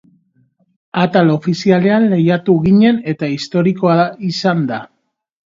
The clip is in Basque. Atal ofizialean lehiatu ginen eta historikoa izan da.